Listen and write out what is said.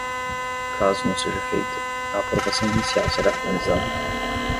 Caso não seja feita, a aprovação inicial será finalizada.